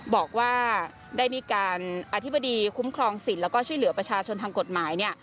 บอกว่าได้มีการอธิบดีคุ้มครองสิทธิ์แล้วก็ช่วยเหลือประชาชนทางกฎหมาย